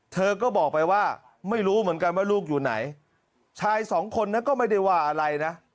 เธอก็บอกไปว่าไม่รู้เหมือนกันว่าลูกอยู่ไหนชายสองคนนั้นก็ไม่ได้ว่าอะไรนะ